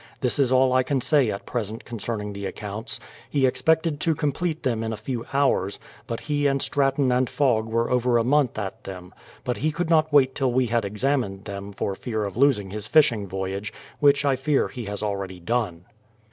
This is all I can say at present concerning the accounts. He expected to complete them in a few hours ; but he and Straton and Fogg were over a month at them ; but he could not wait till we had examined them for fear of losing his fishing voyage, — which I fear he has already done.